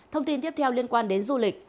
thông tin tiếp theo liên quan đến du lịch